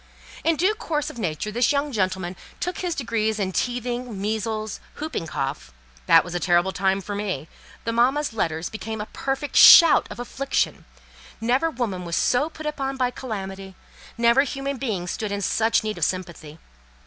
In due course of nature this young gentleman took his degrees in teething, measles, hooping cough: that was a terrible time for me—the mamma's letters became a perfect shout of affliction; never woman was so put upon by calamity: never human being stood in such need of sympathy.